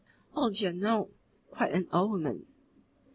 "Oh dear no! Quite an old woman."